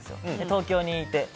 東京にいて。